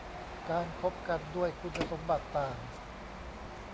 การคบกันด้วยคุณสมบัติต่าง